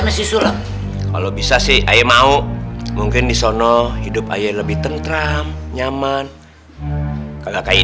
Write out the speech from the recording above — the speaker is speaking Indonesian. sama si sulam kalau bisa sih ayo mau mungkin disono hidup ayo lebih tentram nyaman kalau kayak